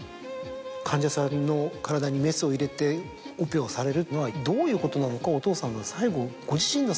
患者さんの体にメスを入れてオペをされるのはどういうことなのかお父さんは。